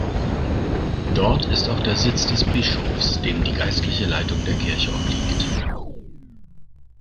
Dort ist auch der Sitz des Bischofs, dem die geistliche Leitung der Kirche obliegt.